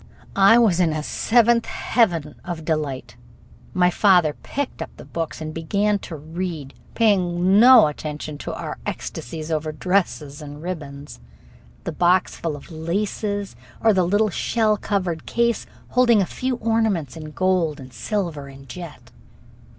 I was in a seventh heaven of delight. My father picked up the books and began to read, paying no attention to our ecstasies over dresses and ribbons, the boxful of laces, or the little shell covered case holding a few ornaments in gold and silver and jet.